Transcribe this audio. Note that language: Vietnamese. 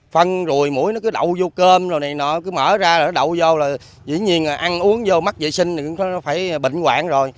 phân rùi mũi nó cứ đậu vô cơm rồi này nọ cứ mở ra nó đậu vô là dĩ nhiên là ăn uống vô mắc vệ sinh thì nó phải bệnh hoạn rồi